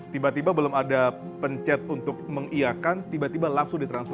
tiba tiba belum ada pencet untuk mengiakan tiba tiba langsung ditransfer